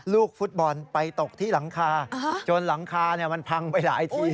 ลูกฟุตบอลไปตกที่หลังคาจนหลังคามันพังไปหลายที